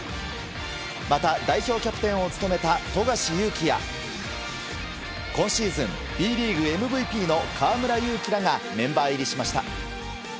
また、代表キャプテンを務めた富樫勇樹や今シーズンＢリーグＭＶＰの河村勇輝らがメンバー入りしました。